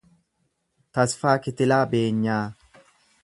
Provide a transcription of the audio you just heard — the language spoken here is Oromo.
Tasfaa Kitilaa Beenyaa